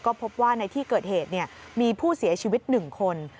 ก็พบว่าในที่เกิดเหตุมีผู้เสียชีวิต๑คน